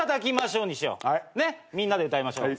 みんなで歌いましょう。